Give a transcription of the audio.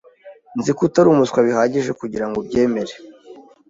Nzi ko utari umuswa bihagije kugirango ubyemere.